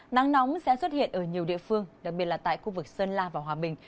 nắng nóng sẽ xuất hiện ở nhiều địa phương đặc biệt là tại khu vực sơn la và hòa bình